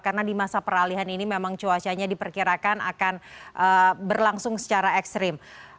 karena di masa peralihan ini memang cuacanya diperkirakan akan berlangsung secara ekstrim